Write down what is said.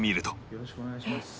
よろしくお願いします。